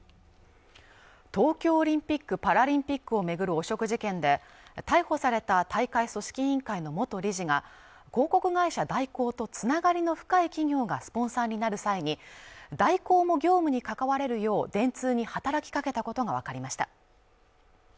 東京オリンピック・パラリンピックを巡る汚職事件で逮捕された大会組織委員会の元理事が広告会社大広とつながりの深い企業がスポンサーになる際に大広も業務にかかわれるよう電通に働きかけたことが分かりました